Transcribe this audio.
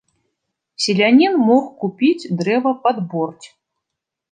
Селянін мог купіць дрэва пад борць.